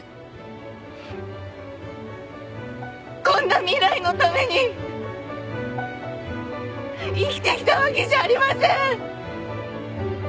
こんな未来のために生きてきたわけじゃありません！